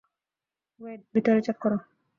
ওয়েড, ভিতরে চেক করো।